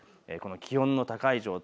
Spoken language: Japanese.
気温の高い状態